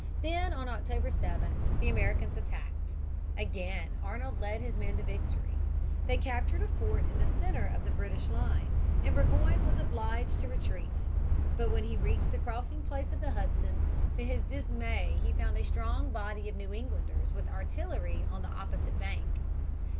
Then, on October 7, the Americans attacked. Again Arnold led his men to victory. They captured a fort in the centre of the British line, and Burgoyne was obliged to retreat. But when he reached the crossing place of the Hudson, to his dismay he found a strong body of New Englanders with artillery on the opposite bank.